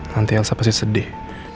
nanti elsa pasti sedih